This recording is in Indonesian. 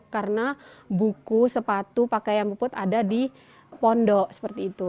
karena buku sepatu pakaian puput ada di pondok seperti itu